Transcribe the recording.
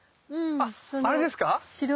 あっあれですか？